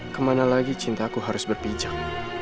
kemana lagi cinta aku harus berpijak